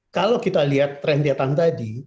kalau kita lihat tren diatang tadi